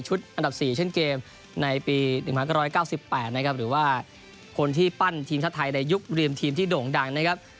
อันดับ๔เช่นเกมในปี๑๙๙๘นะครับหรือว่าคนที่ปั้นทีมชาติไทยในยุคริมทีมที่โด่งดังนะครับ